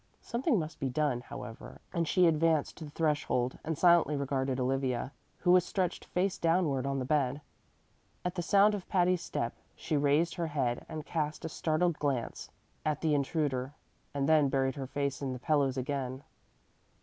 Something must be done, however, and she advanced to the threshold and silently regarded Olivia, who was stretched face downward on the bed. At the sound of Patty's step she raised her head and cast a startled glance at the intruder, and then buried her face in the pillows again.